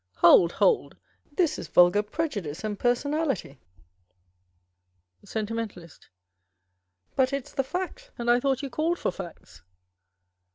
Hold, hold â€" this is vulgar prejudice and personality Sentimentalist. But it's the fact, and I thought you called for facts.